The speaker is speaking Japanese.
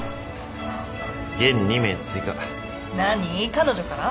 彼女から？